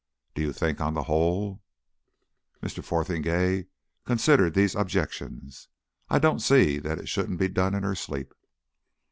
Do you think, on the whole " Mr. Fotheringay considered these objections. "I don't see that it shouldn't be done in her sleep."